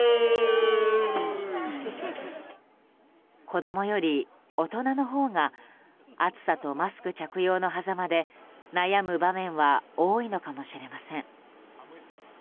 子供より大人のほうが暑さとマスク着用のはざまで悩む場面は多いのかもしれません。